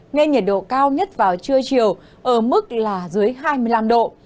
nên nhiệt độ cao nhất vào trưa chiều ở mức là dưới hai mươi năm độ